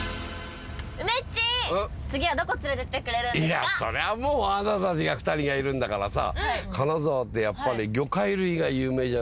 いやそれはもうあなたたち２人がいるんだからさ。